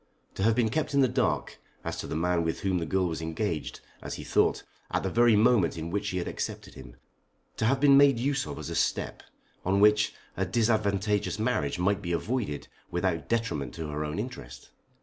To have been kept in the dark as to the man with whom the girl was engaged, as he thought, at the very moment in which she had accepted him! To have been made use of as a step, on which a disadvantageous marriage might be avoided without detriment to her own interest!